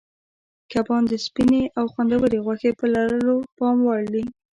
کبان د سپینې او خوندورې غوښې په لرلو پام وړ دي.